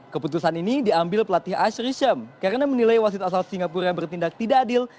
keputusan ini diambil pelatih asyrisyem karena menilai wasit asal singapura yang bertindak tidak adil